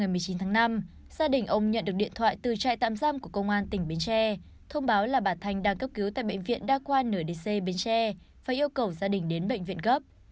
gia đình ông nhận được điện thoại từ trại tạm giam của công an tỉnh bến tre thông báo là bà thanh đang cấp cứu tại bệnh viện đa qua nửa dc bến tre và yêu cầu gia đình đến bệnh viện gấp